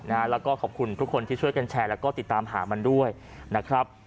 แล้วก็ขอบคุณทุกคนที่ช่วยกันแชร์แล้วก็ติดตามหามันด้วยนะครับ